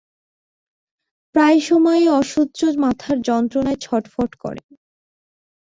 প্রায় সময়ই অসহ্য মাথার যন্ত্রণায় ছটফট করেন।